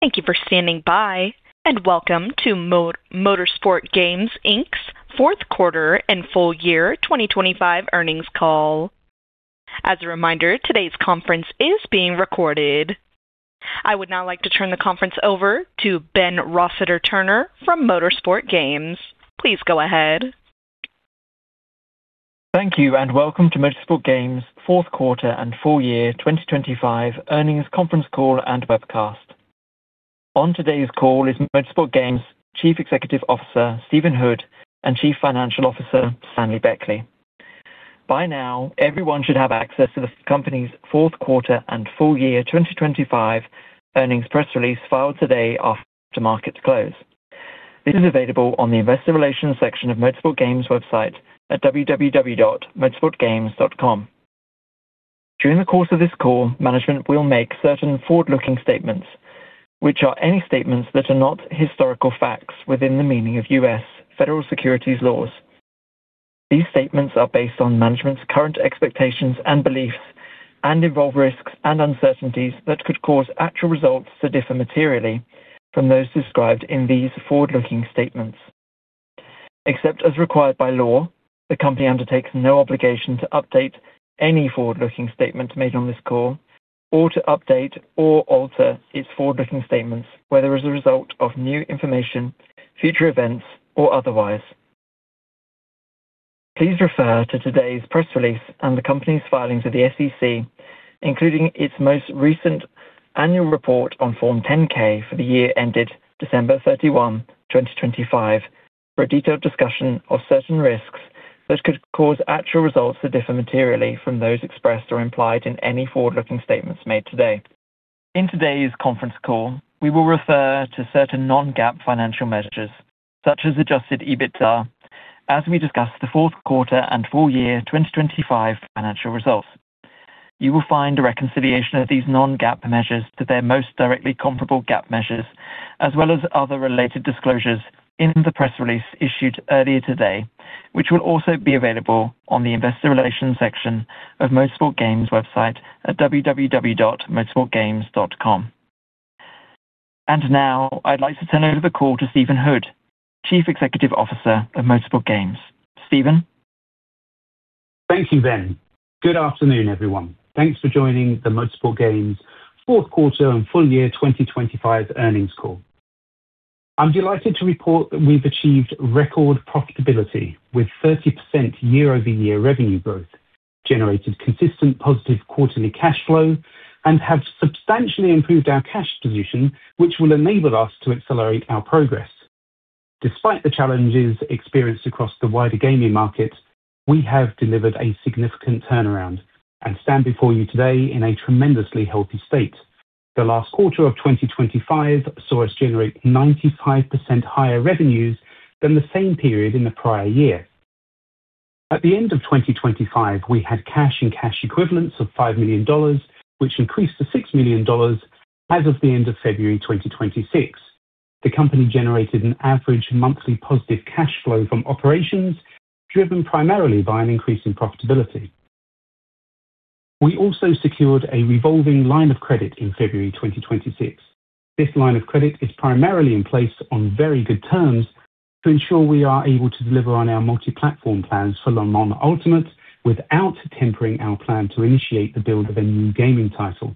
Thank you for standing by, and welcome to Motorsport Games Inc.'s Fourth Quarter and Full-Year 2025 Earnings Call. As a reminder, today's conference is being recorded. I would now like to turn the conference over to Ben Rossiter-Turner from Motorsport Games. Please go ahead. Thank you and welcome to Motorsport Games Fourth quarterQuarter and Full-Year 2025 Earnings Conference Call and Webcast. On today's call is Motorsport Games Chief Executive Officer, Stephen Hood, and Chief Financial Officer, Stanley Beckley. By now, everyone should have access to the company's fourth quarter and full-year 2025 earnings press release filed today after market close. This is available on the Investor Relations section of Motorsport Games website at motorsportgames.com. During the course of this call, management will make certain forward-looking statements, which are any statements that are not historical facts within the meaning of U.S. federal securities laws. These statements are based on management's current expectations and beliefs and involve risks and uncertainties that could cause actual results to differ materially from those described in these forward-looking statements. Except as required by law, the company undertakes no obligation to update any forward-looking statements made on this call or to update or alter its forward-looking statements, whether as a result of new information, future events, or otherwise. Please refer to today's press release and the company's filings with the SEC, including its most recent annual report on Form 10-K for the year ended December 31, 2025, for a detailed discussion of certain risks that could cause actual results to differ materially from those expressed or implied in any forward-looking statements made today. In today's conference call, we will refer to certain non-GAAP financial measures such as adjusted EBITDA as we discuss the fourth quarter and full-year 2025 financial results. You will find a reconciliation of these non-GAAP measures to their most directly comparable GAAP measures, as well as other related disclosures in the press release issued earlier today, which will also be available on the investor relations section of Motorsport Games website at motorsportgames.com. Now I'd like to turn over the call to Stephen Hood, Chief Executive Officer of Motorsport Games. Stephen. Thank you, Ben. Good afternoon, everyone. Thanks for joining the Motorsport Games Fourth Quarter and Full-Year 2025 Earnings Call. I'm delighted to report that we've achieved record profitability with 30% year-over-year revenue growth, generated consistent positive quarterly cash flow, and have substantially improved our cash position, which will enable us to accelerate our progress. Despite the challenges experienced across the wider gaming market, we have delivered a significant turnaround and stand before you today in a tremendously healthy state. The last quarter of 2025 saw us generate 95% higher revenues than the same period in the prior year. At the end of 2025, we had cash and cash equivalents of $5 million, which increased to $6 million as of the end of February 2026. The company generated an average monthly positive cash flow from operations, driven primarily by an increase in profitability. We also secured a revolving line of credit in February 2026. This line of credit is primarily in place on very good terms to ensure we are able to deliver on our multi-platform plans for Le Mans Ultimate without tempering our plan to initiate the build of a new gaming title.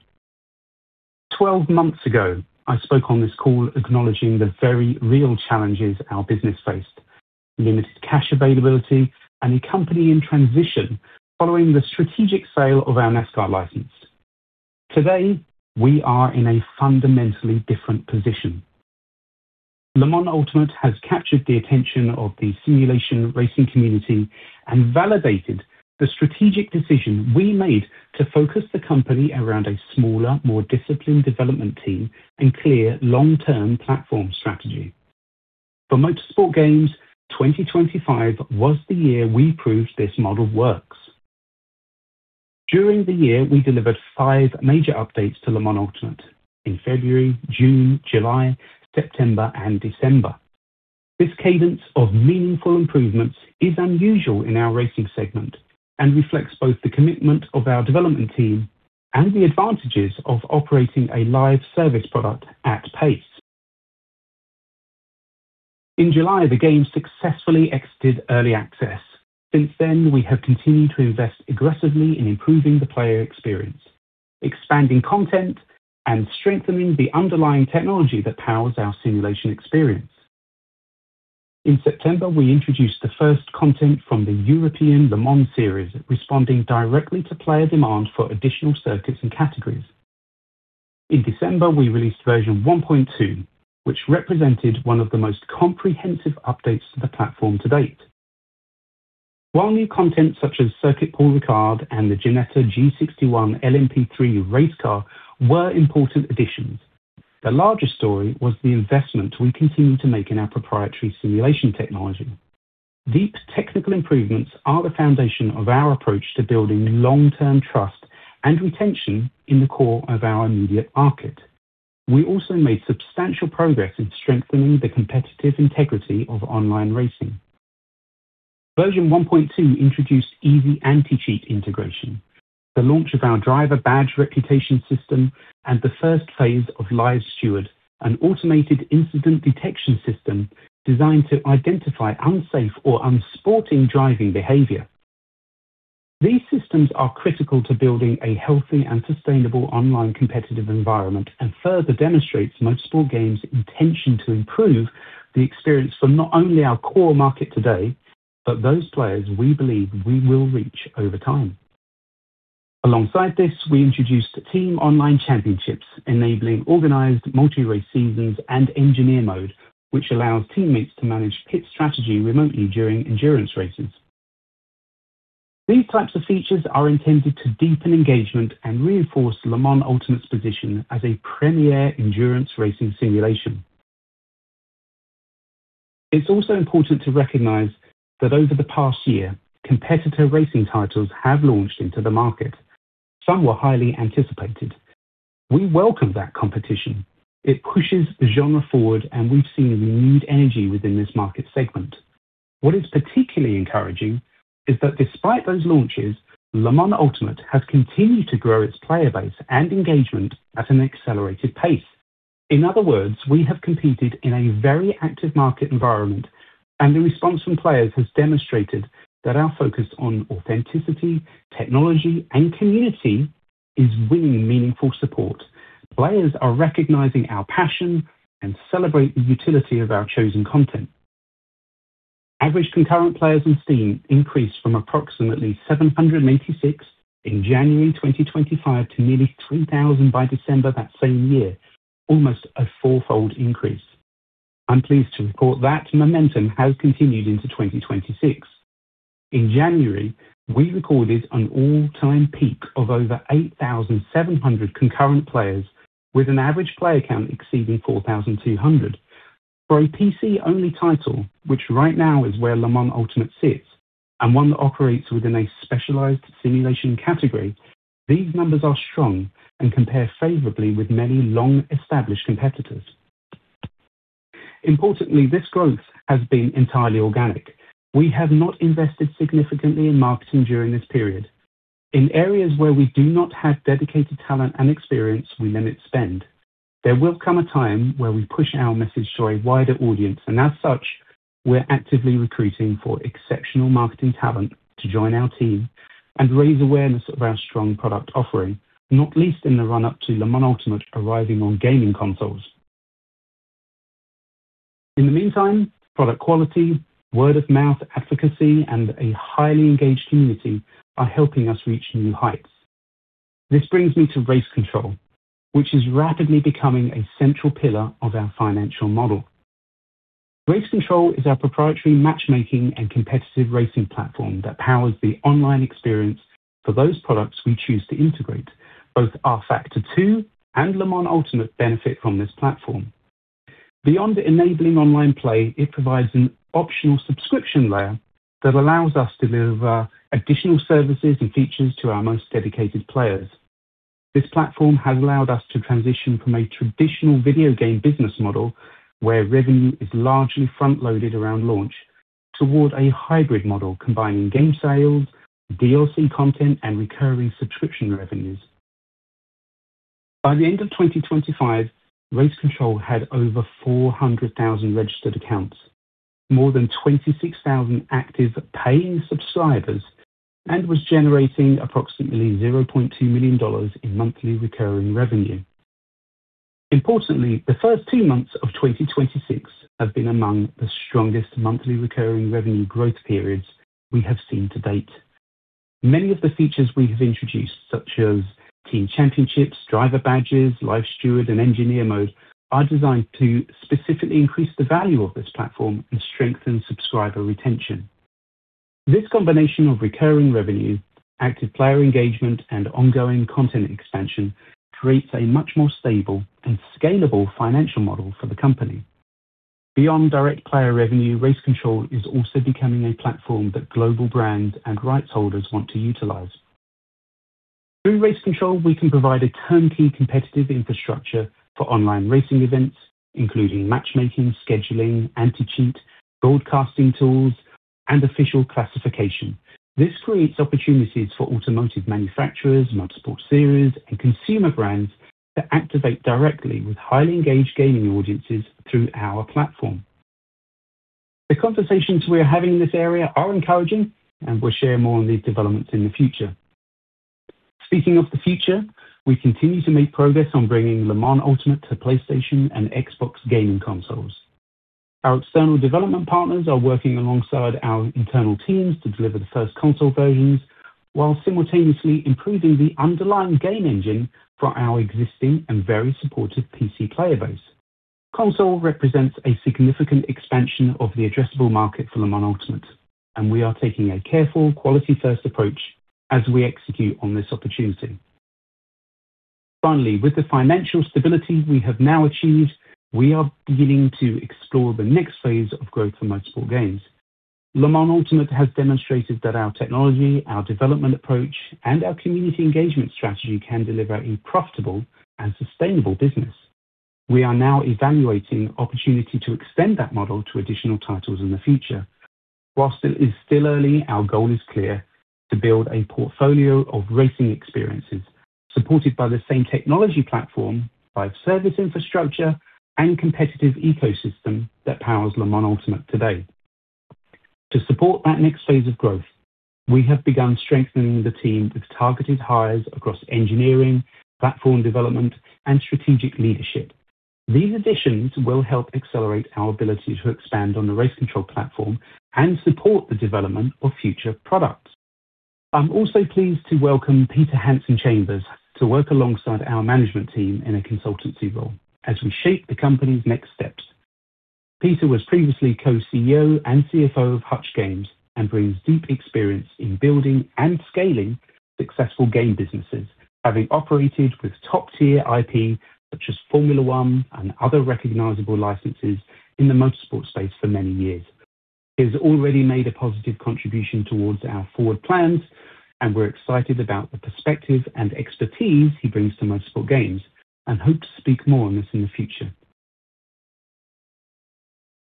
12 months ago, I spoke on this call acknowledging the very real challenges our business faced, limited cash availability, and a company in transition following the strategic sale of our NASCAR license. Today, we are in a fundamentally different position. Le Mans Ultimate has captured the attention of the simulation racing community and validated the strategic decision we made to focus the company around a smaller, more disciplined development team and clear long-term platform strategy. For Motorsport Games, 2025 was the year we proved this model works. During the year, we delivered five major updates to Le Mans Ultimate in February, June, July, September, and December. This cadence of meaningful improvements is unusual in our racing segment and reflects both the commitment of our development team and the advantages of operating a live service product at pace. In July, the game successfully exited early access. Since then, we have continued to invest aggressively in improving the player experience, expanding content, and strengthening the underlying technology that powers our simulation experience. In September, we introduced the first content from the European Le Mans Series, responding directly to player demand for additional circuits and categories. In December, we released version 1.2, which represented one of the most comprehensive updates to the platform to date. While new content such as Circuit Paul Ricard and the Ginetta G61 LMP3 race car were important additions, the larger story was the investment we continue to make in our proprietary simulation technology. These technical improvements are the foundation of our approach to building long-term trust and retention in the core of our immediate market. We also made substantial progress in strengthening the competitive integrity of online racing. Version 1.2 introduced Easy Anti-Cheat integration, the launch of our driver badge reputation system, and the first phase of LiveSteward, an automated incident detection system designed to identify unsafe or unsporting driving behavior. These systems are critical to building a healthy and sustainable online competitive environment, and further demonstrates Motorsport Games intention to improve the experience for not only our core market today, but those players we believe we will reach over time. Alongside this, we introduced team online championships, enabling organized multi-race seasons and Engineer Mode, which allows teammates to manage pit strategy remotely during endurance races. These types of features are intended to deepen engagement and reinforce Le Mans Ultimate's position as a premier endurance racing simulation. It's also important to recognize that over the past year, competitor racing titles have launched into the market. Some were highly anticipated. We welcome that competition. It pushes the genre forward, and we've seen renewed energy within this market segment. What is particularly encouraging is that despite those launches, Le Mans Ultimate has continued to grow its player base and engagement at an accelerated pace. In other words, we have competed in a very active market environment, and the response from players has demonstrated that our focus on authenticity, technology and community is winning meaningful support. Players are recognizing our passion and celebrate the utility of our chosen content. Average concurrent players in Steam increased from approximately 786 in January 2025 to nearly 3,000 by December that same year, almost a four-fold increase. I'm pleased to report that momentum has continued into 2026. In January, we recorded an all-time peak of over 8,700 concurrent players with an average player count exceeding 4,200. For a PC-only title, which right now is where Le Mans Ultimate sits, and one that operates within a specialized simulation category, these numbers are strong and compare favorably with many long-established competitors. Importantly, this growth has been entirely organic. We have not invested significantly in marketing during this period. In areas where we do not have dedicated talent and experience, we limit spend. There will come a time where we push our message to a wider audience, and as such, we're actively recruiting for exceptional marketing talent to join our team and raise awareness of our strong product offering, not least in the run-up to Le Mans Ultimate arriving on gaming consoles. In the meantime, product quality, word-of-mouth advocacy, and a highly engaged community are helping us reach new heights. This brings me to RaceControl, which is rapidly becoming a central pillar of our financial model. RaceControl is our proprietary matchmaking and competitive racing platform that powers the online experience for those products we choose to integrate. Both rFactor 2 and Le Mans Ultimate benefit from this platform. Beyond enabling online play, it provides an optional subscription layer that allows us to deliver additional services and features to our most dedicated players. This platform has allowed us to transition from a traditional video game business model, where revenue is largely front-loaded around launch, toward a hybrid model combining game sales, DLC content, and recurring subscription revenues. By the end of 2025, RaceControl had over 400,000 registered accounts, more than 26,000 active paying subscribers, and was generating approximately $200,000 in monthly recurring revenue. Importantly, the first two months of 2026 have been among the strongest monthly recurring revenue growth periods we have seen to date. Many of the features we have introduced, such as team championships, driver badges, LiveSteward, and Engineer Mode, are designed to specifically increase the value of this platform and strengthen subscriber retention. This combination of recurring revenue, active player engagement, and ongoing content expansion creates a much more stable and scalable financial model for the company. Beyond direct player revenue, RaceControl is also becoming a platform that global brands and rights holders want to utilize. Through RaceControl, we can provide a turnkey competitive infrastructure for online racing events, including matchmaking, scheduling, anti-cheat, broadcasting tools, and official classification. This creates opportunities for automotive manufacturers, motorsport series, and consumer brands to activate directly with highly engaged gaming audiences through our platform. The conversations we are having in this area are encouraging, and we'll share more on these developments in the future. Speaking of the future, we continue to make progress on bringing Le Mans Ultimate to PlayStation and Xbox gaming consoles. Our external development partners are working alongside our internal teams to deliver the first console versions while simultaneously improving the underlying game engine for our existing and very supportive PC player base. Console represents a significant expansion of the addressable market for Le Mans Ultimate, and we are taking a careful quality first approach as we execute on this opportunity. Finally, with the financial stability we have now achieved, we are beginning to explore the next phase of growth for Motorsport Games. Le Mans Ultimate has demonstrated that our technology, our development approach, and our community engagement strategy can deliver a profitable and sustainable business. We are now evaluating opportunity to extend that model to additional titles in the future. While it is still early, our goal is clear: to build a portfolio of racing experiences supported by the same technology platform, live service infrastructure, and competitive ecosystem that powers Le Mans Ultimate today. To support that next phase of growth, we have begun strengthening the team with targeted hires across engineering, platform development, and strategic leadership. These additions will help accelerate our ability to expand on the RaceControl platform and support the development of future products. I'm also pleased to welcome Peter Hansen-Chambers to work alongside our management team in a consultancy role as we shape the company's next steps. Peter was previously co-CEO and CFO of Hutch Games and brings deep experience in building and scaling successful game businesses, having operated with top-tier IP such as Formula 1 and other recognizable licenses in the motorsport space for many years. He has already made a positive contribution towards our forward plans, and we're excited about the perspective and expertise he brings to Motorsport Games and hope to speak more on this in the future.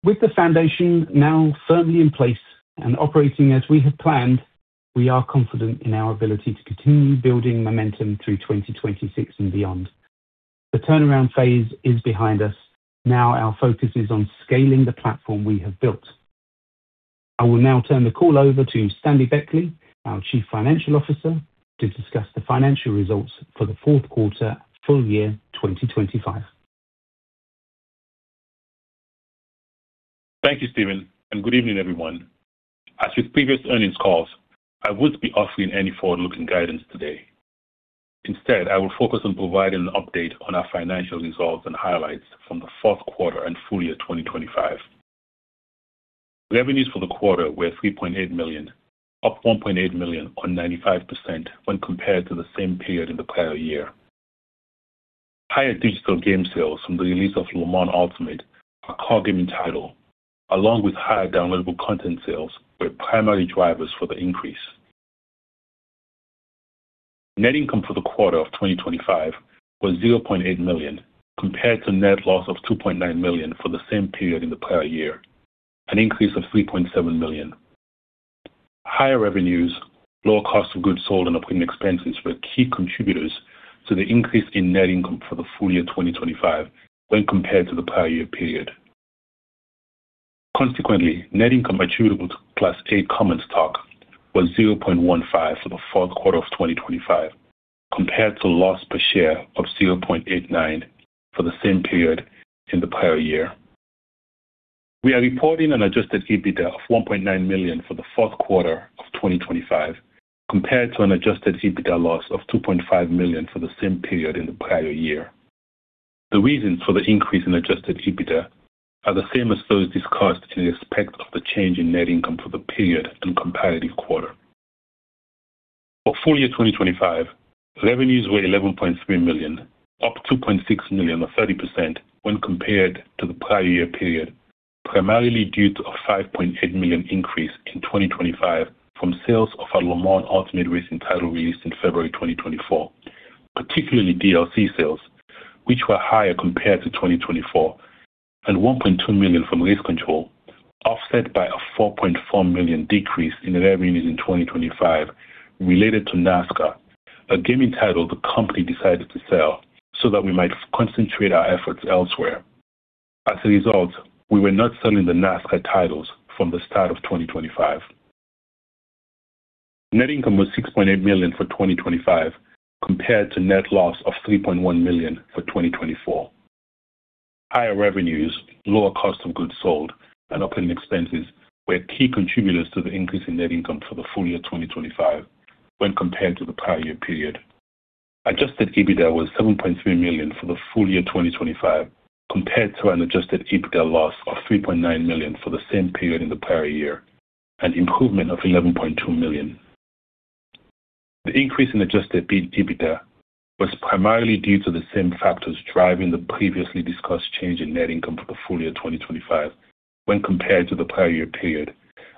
With the foundation now firmly in place and operating as we have planned, we are confident in our ability to continue building momentum through 2026 and beyond. The turnaround phase is behind us. Now our focus is on scaling the platform we have built. I will now turn the call over to Stanley Beckley, our Chief Financial Officer, to discuss the financial results for the fourth quarter full-year 2025. Thank you, Stephen, and good evening, everyone. As with previous earnings calls, I won't be offering any forward-looking guidance today. Instead, I will focus on providing an update on our financial results and highlights from the fourth quarter and full-year 2025. Revenues for the quarter were $3.8 million, up $1.8 million or 95% when compared to the same period in the prior year. Higher digital game sales from the release of Le Mans Ultimate, our core gaming title, along with higher downloadable content sales, were primary drivers for the increase. Net income for the quarter of 2025 was $800,000, compared to net loss of $2.9 million for the same period in the prior year, an increase of $3.7 million. Higher revenues, lower cost of goods sold, and operating expenses were key contributors to the increase in net income for the full-year 2025 when compared to the prior year period. Consequently, net income attributable to Class A common stock was $0.15 for the fourth quarter of 2025, compared to a loss per share of $0.89 for the same period in the prior year. We are reporting an adjusted EBITDA of $1.9 million for the fourth quarter of 2025, compared to an adjusted EBITDA loss of $2.5 million for the same period in the prior year. The reasons for the increase in adjusted EBITDA are the same as those discussed in respect of the change in net income for the period and comparative quarter. For full-year 2025, revenues were $11.3 million, up $2.6 million or 30% when compared to the prior year period, primarily due to a $5.8 million increase in 2025 from sales of our Le Mans Ultimate racing title released in February 2024, particularly DLC sales, which were higher compared to 2024 and $1.2 million from RaceControl, offset by a $4.4 million decrease in revenues in 2025 related to NASCAR, a gaming title the company decided to sell so that we might concentrate our efforts elsewhere. As a result, we were not selling the NASCAR titles from the start of 2025. Net income was $6.8 million for 2025, compared to net loss of $3.1 million for 2024. Higher revenues, lower cost of goods sold, and operating expenses were key contributors to the increase in net income for the full-year 2025 when compared to the prior year period. Adjusted EBITDA was $7.3 million for the full-year 2025, compared to an adjusted EBITDA loss of $3.9 million for the same period in the prior year, an improvement of $11.2 million. The increase in adjusted EBITDA was primarily due to the same factors driving the previously discussed change in net income for the full-year 2025 when compared to the prior year period,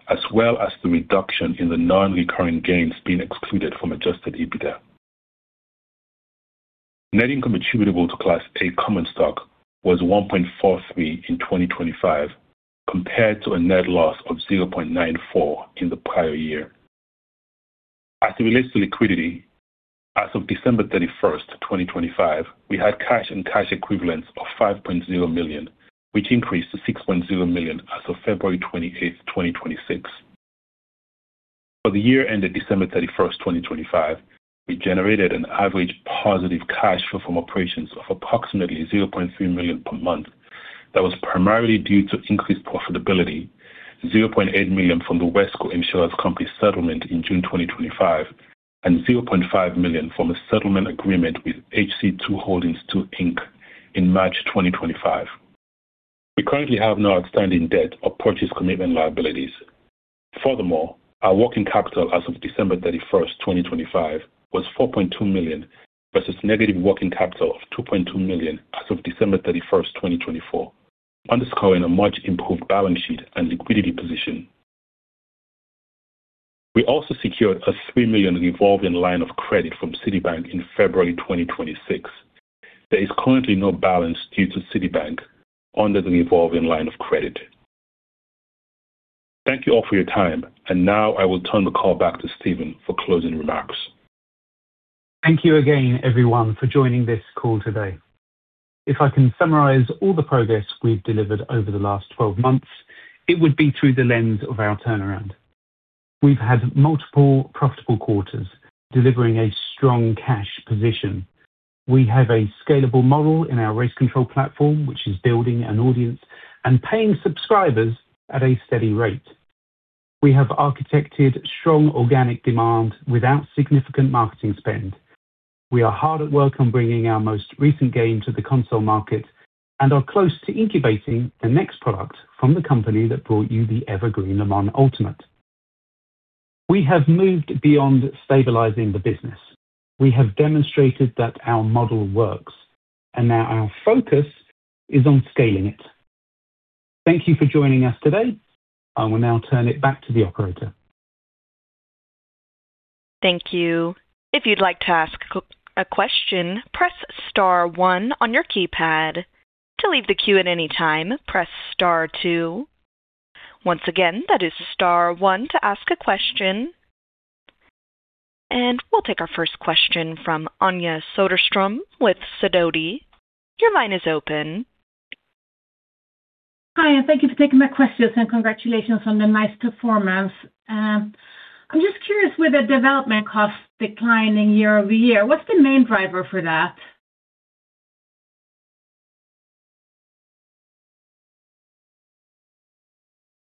as well as the reduction in the non-recurring gains being excluded from adjusted EBITDA. Net income attributable to Class A common stock was $1.43 in 2025, compared to a net loss of $0.94 in the prior year. As it relates to liquidity, as of December 31st, 2025, we had cash and cash equivalents of $5 million, which increased to $6 million as of February 28th, 2026. For the year ended December 31st, 2025, we generated an average positive cash flow from operations of approximately $300,000 per month. That was primarily due to increased profitability, $800,000 from the Wesco Insurance Company settlement in June 2025, and $500,000 from a settlement agreement with HC2 Holdings 2 Inc. in March 2025. We currently have no outstanding debt or purchase commitment liabilities. Furthermore, our working capital as of December 31st, 2025, was $4.2 million versus negative working capital of $2.2 million as of December 31st, 2024, underscoring a much improved balance sheet and liquidity position. We also secured a $3 million revolving line of credit from Citibank in February 2026. There is currently no balance due to Citibank under the revolving line of credit. Thank you all for your time. Now I will turn the call back to Stephen for closing remarks. Thank you again, everyone, for joining this call today. If I can summarize all the progress we've delivered over the last 12 months, it would be through the lens of our turnaround. We've had multiple profitable quarters, delivering a strong cash position. We have a scalable model in our RaceControl platform, which is building an audience and paying subscribers at a steady rate. We have architected strong organic demand without significant marketing spend. We are hard at work on bringing our most recent game to the console market and are close to incubating the next product from the company that brought you the evergreen Le Mans Ultimate. We have moved beyond stabilizing the business. We have demonstrated that our model works, and now our focus is on scaling it. Thank you for joining us today. I will now turn it back to the operator. Thank you. If you'd like to ask a question, press star one on your keypad. To leave the queue at any time, press star two. Once again, that is star one to ask a question. We'll take our first question from Anja Soderstrom with Sidoti & Company. Your line is open. Hi, and thank you for taking my questions, and congratulations on the nice performance. I'm just curious, with the development costs declining year over year, what's the main driver for that?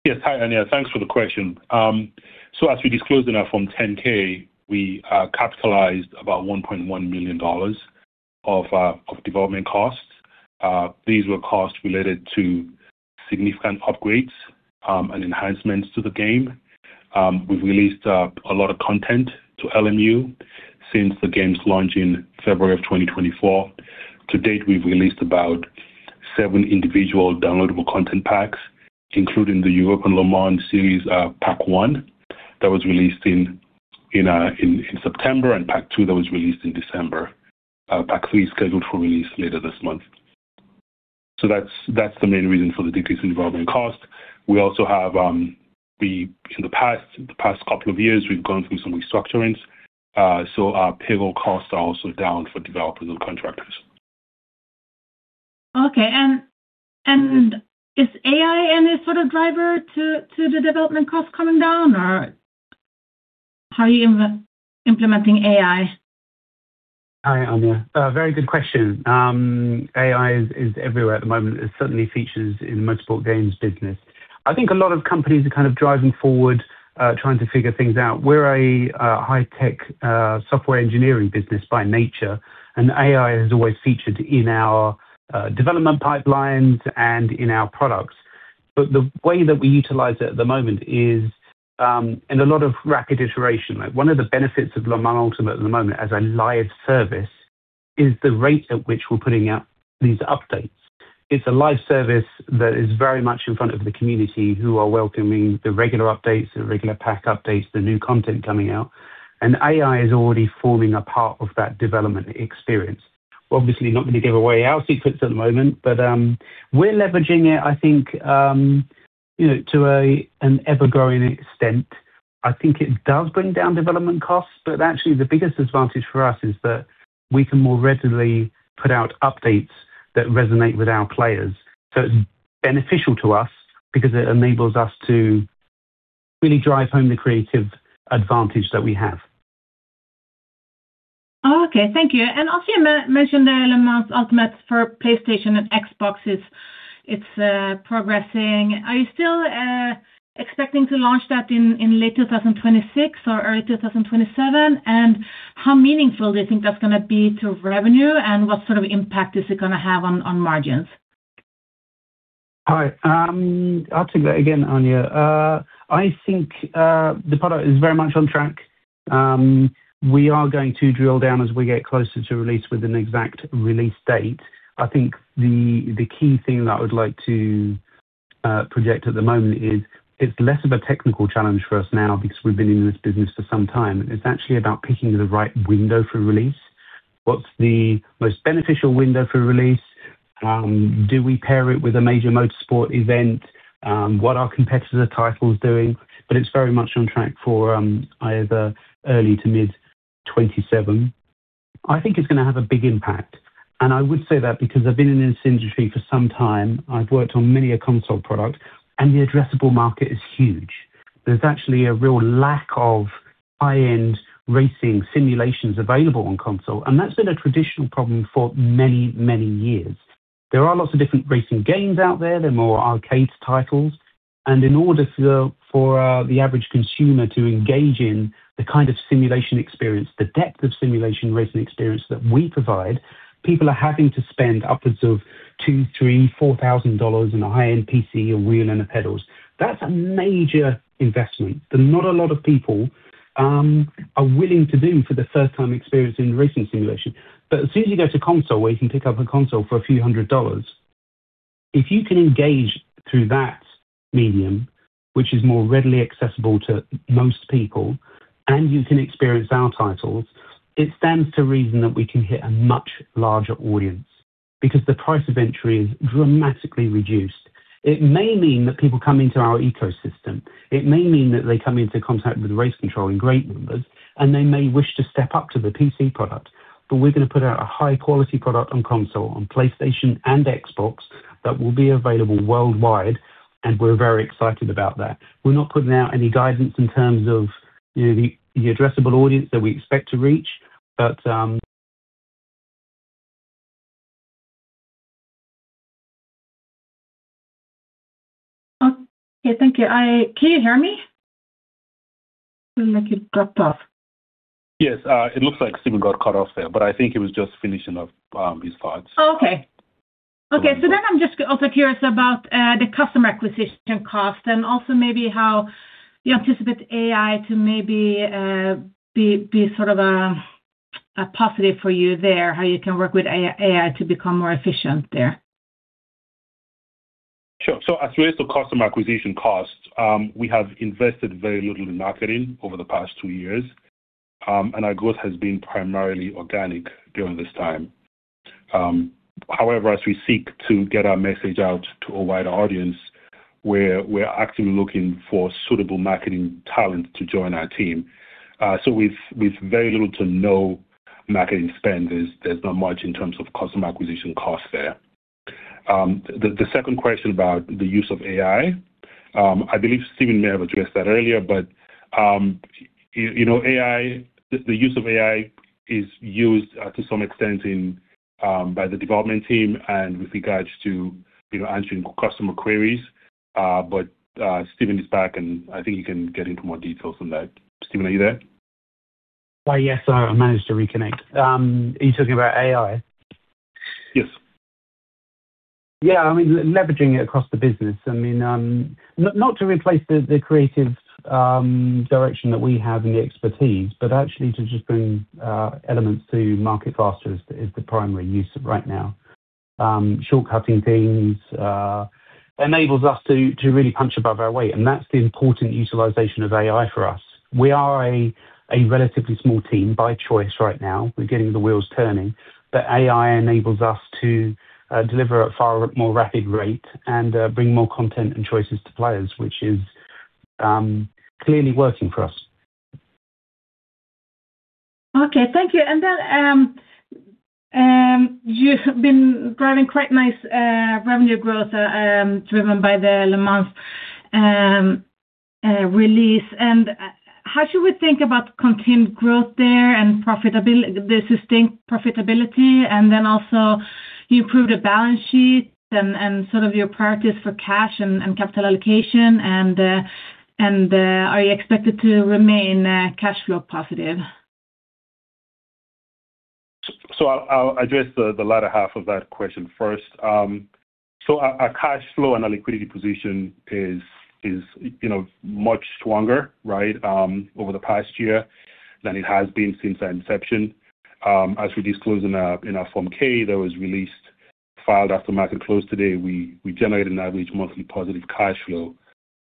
Yes. Hi, Anja. Thanks for the question. So as we disclosed in our Form 10-K, we capitalized about $1.1 million of development costs. These were costs related to significant upgrades and enhancements to the game. We've released a lot of content to LMU since the game's launch in February of 2024. To date, we've released about seven individual downloadable content packs, including the European Le Mans Series Pack 1 that was released in September, and Pack 2 that was released in December. Pack 3 is scheduled for release later this month. That's the main reason for the decrease in development cost. We also have in the past couple of years, we've gone through some restructuring. Our payroll costs are also down for developers and contractors. Is AI any sort of driver to the development costs coming down? Or how are you implementing AI? Hi, Anja. Very good question. AI is everywhere at the moment. It certainly features in multiple games business. I think a lot of companies are kind of driving forward, trying to figure things out. We're a high-tech software engineering business by nature, and AI has always featured in our development pipelines and in our products. The way that we utilize it at the moment is in a lot of rapid iteration. Like, one of the benefits of Le Mans Ultimate at the moment as a live service is the rate at which we're putting out these updates. It's a live service that is very much in front of the community, who are welcoming the regular updates, the regular pack updates, the new content coming out, and AI is already forming a part of that development experience. We're obviously not gonna give away our secrets at the moment, but, we're leveraging it, I think, you know, an ever-growing extent. I think it does bring down development costs, but actually, the biggest advantage for us is that we can more readily put out updates that resonate with our players. It's beneficial to us because it enables us to really drive home the creative advantage that we have. Okay, thank you. Also you mentioned the Le Mans Ultimate for PlayStation and Xbox. It's progressing. Are you still expecting to launch that in late 2026 or early 2027? How meaningful do you think that's gonna be to revenue, and what sort of impact is it gonna have on margins? All right. I'll take that again, Anja. I think the product is very much on track. We are going to drill down as we get closer to release with an exact release date. I think the key thing that I would like to project at the moment is it's less of a technical challenge for us now because we've been in this business for some time. It's actually about picking the right window for release. What's the most beneficial window for release? Do we pair it with a major motorsport event? What are competitor titles doing? It's very much on track for either early to mid-2027. I think it's gonna have a big impact. I would say that because I've been in this industry for some time, I've worked on many a console product, and the addressable market is huge. There's actually a real lack of high-end racing simulations available on console, and that's been a traditional problem for many, many years. There are lots of different racing games out there. They're more arcade titles. In order for the average consumer to engage in the kind of simulation experience, the depth of simulation racing experience that we provide, people are having to spend upwards of $2,000, $3,000, $4,000 on a high-end PC, a wheel and the pedals. That's a major investment that not a lot of people are willing to do for their first-time experience in racing simulation. As soon as you go to console, where you can pick up a console for a few hundred dollars. If you can engage through that medium, which is more readily accessible to most people, and you can experience our titles, it stands to reason that we can hit a much larger audience because the price of entry is dramatically reduced. It may mean that people come into our ecosystem. It may mean that they come into contact with RaceControl in great numbers, and they may wish to step up to the PC product. But we're going to put out a high-quality product on console, on PlayStation and Xbox, that will be available worldwide, and we're very excited about that. We're not putting out any guidance in terms of, you know, the addressable audience that we expect to reach, but. Okay. Thank you. Can you hear me? Sounds like it dropped off. Yes. It looks like Stephen got cut off there, but I think he was just finishing up his thoughts. Okay. I'm just also curious about the customer acquisition cost and also maybe how you anticipate AI to maybe be sort of a positive for you there, how you can work with AI to become more efficient there. Sure. As relates to customer acquisition costs, we have invested very little in marketing over the past two years, and our growth has been primarily organic during this time. However, as we seek to get our message out to a wider audience, we're actively looking for suitable marketing talent to join our team. With very little to no marketing spend, there's not much in terms of customer acquisition costs there. The second question about the use of AI, I believe Stephen may have addressed that earlier, but you know, AI, the use of AI is used to some extent in by the development team and with regards to you know, answering customer queries. Stephen is back, and I think he can get into more details on that. Stephen, are you there? Yes, I managed to reconnect. Are you talking about AI? Yes. Yeah, I mean, leveraging it across the business. I mean, not to replace the creative direction that we have and the expertise, but actually to just bring elements to market faster is the primary use right now. Shortcutting things enables us to really punch above our weight, and that's the important utilization of AI for us. We are a relatively small team by choice right now. We're getting the wheels turning. AI enables us to deliver at far more rapid rate and bring more content and choices to players, which is clearly working for us. Okay, thank you. You've been driving quite nice revenue growth driven by the Le Mans release. How should we think about continued growth there and profitability, the sustained profitability? You improved the balance sheet and sort of your priorities for cash and capital allocation. Are you expected to remain cash flow positive? I'll address the latter half of that question first. Our cash flow and our liquidity position is, you know, much stronger, right, over the past year than it has been since our inception. As we disclosed in our Form 10-K that was released, filed after market close today, we generated an average monthly positive cash flow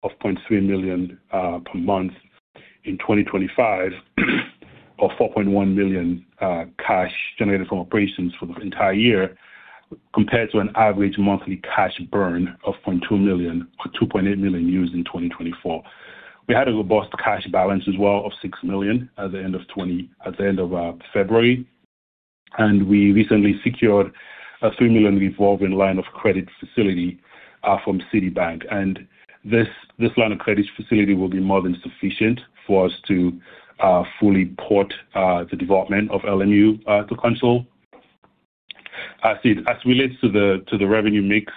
of $300,000 per month in 2025 or $4.1 million cash generated from operations for the entire year compared to an average monthly cash burn of $200,000 or $2.8 million used in 2024. We had a robust cash balance as well of $6 million at the end of February. We recently secured a $3 million revolving line of credit facility from Citibank. This line of credit facility will be more than sufficient for us to fully port the development of LMU to console. As relates to the revenue mix,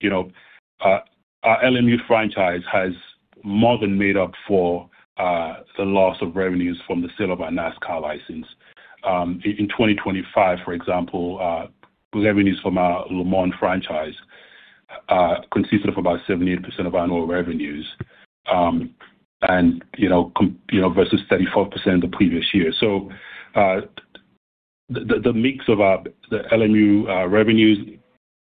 you know, our LMU franchise has more than made up for the loss of revenues from the sale of our NASCAR license. In 2025, for example, revenues from our Le Mans franchise consisted of about 78% of our annual revenues, and you know versus 34% the previous year. The mix of our LMU revenues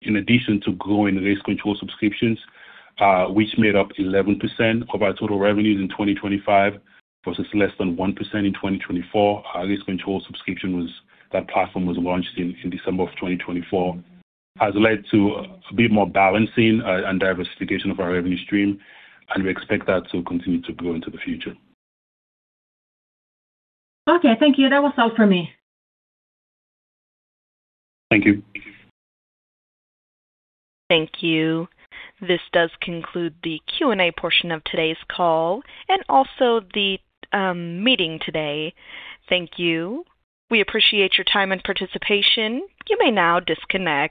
in addition to growing RaceControl subscriptions, which made up 11% of our total revenues in 2025 versus less than 1% in 2024. Our RaceControl subscription, that platform was launched in December of 2024, has led to a bit more balancing and diversification of our revenue stream, and we expect that to continue to grow into the future. Okay, thank you. That was all for me. Thank you. Thank you. This does conclude the Q&A portion of today's call and also the meeting today. Thank you. We appreciate your time and participation. You may now disconnect.